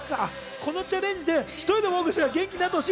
このチャレンジで一人でも多くの人が元気になってほしい。